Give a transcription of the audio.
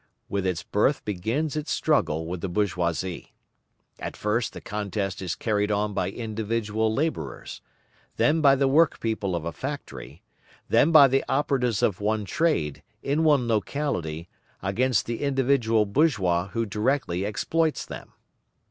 With its birth begins its struggle with the bourgeoisie. At first the contest is carried on by individual labourers, then by the workpeople of a factory, then by the operatives of one trade, in one locality, against the individual bourgeois who directly exploits them.